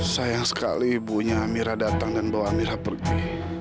sayang sekali ibunya amirah datang dan bawa amirah pergi